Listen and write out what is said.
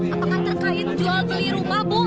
apakah terkait jual beli rumah bu